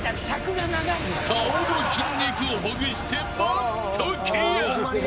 顔の筋肉をほぐして待っとけや。